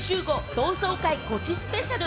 同窓会ゴチスペシャル。